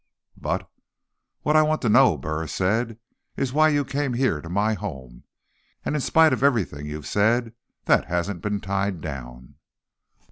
"But—" "What I want to know," Burris said, "is why you came here, to my home? And in spite of everything you've said, that hasn't been tied down."